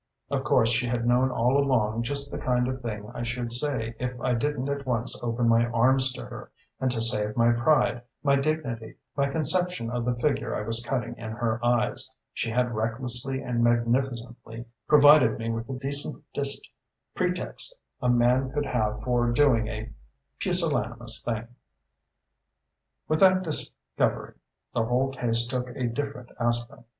"Of course she had known all along just the kind of thing I should say if I didn't at once open my arms to her; and to save my pride, my dignity, my conception of the figure I was cutting in her eyes, she had recklessly and magnificently provided me with the decentest pretext a man could have for doing a pusillanimous thing.... "With that discovery the whole case took a different aspect.